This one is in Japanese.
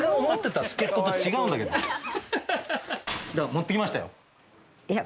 持ってきましたよ。